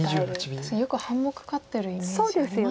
確かによく半目勝ってるイメージありますね。